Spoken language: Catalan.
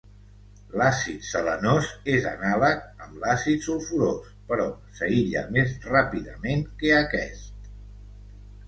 L'àcid selenós és anàleg amb l'àcid sulfurós, però s'aïlla més ràpidament que aquest.